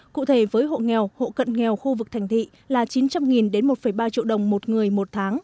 cụ thể với hộ nghèo hộ cận nghèo khu vực thành thị là chín trăm linh đến một ba triệu đồng một người một tháng